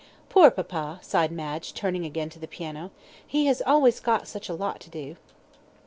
"Poor papa," sighed Madge, turning again to the piano. "He has always got such a lot to do."